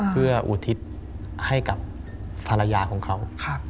เพื่ออุทิศให้กับภรรยาของเขา